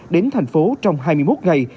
đến thành phố trong hai mươi một ngày